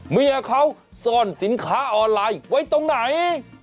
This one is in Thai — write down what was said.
เมียเขาซ่อนสินค้าออนไลน์ไว้ตรงไหน